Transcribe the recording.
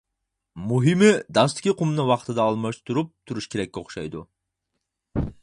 مۇھىمى داستىكى قۇمنى ۋاقتىدا ئالماشتۇرۇپ تۇرۇش كېرەك ئوخشايدۇ.